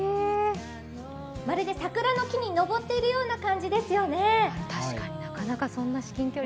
まるで桜の木に登っているような感じですよね。